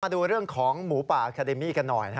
ดูเรื่องของหมูป่าอาคาเดมี่กันหน่อย